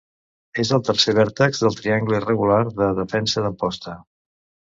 És el tercer vèrtex del triangle irregular de defensa d'Amposta.